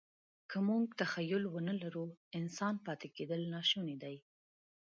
که موږ تخیل ونهلرو، انسان پاتې کېدل ناشوني دي.